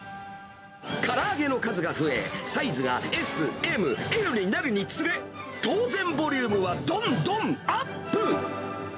から揚げの数が増え、サイズがＳ、Ｍ、Ｌになるにつれ、当然、ボリュームはどんどんアップ。